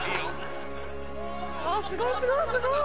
すごいすごい。